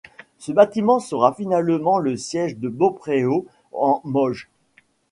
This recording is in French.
Ce bâtiment sera finalement le siège de Beaupréau-en-Mauges.